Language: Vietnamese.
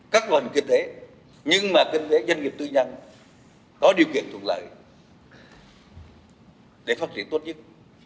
các loại hình kinh tế nhưng mà kinh tế doanh nghiệp tư nhân có điều kiện thuận lợi để phát triển tốt nhất